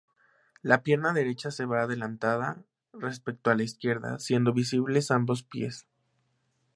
La pierna derecha se ve adelantada respecto a la izquierda, siendo visibles ambos pies.